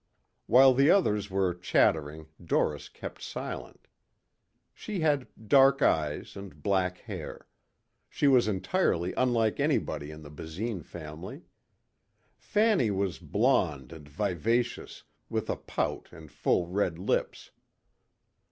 While the others were chattering Doris kept silent. She had dark eyes and black hair. She was entirely unlike anybody in the Basine family. Fanny was blonde and vivacious with a pout and full red lips.